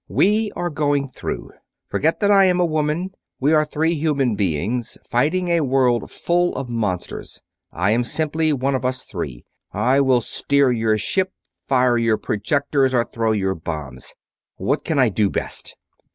"We are going through. Forget that I am a woman. We are three human beings, fighting a world full of monsters. I am simply one of us three. I will steer your ship, fire your projectors, or throw your bombs. What can I do best?"